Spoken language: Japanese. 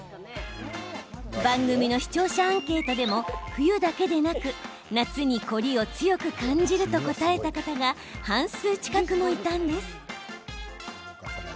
番組の視聴者アンケートでも冬だけでなく、夏に凝りを強く感じると答えた方が半数近くもいたんです。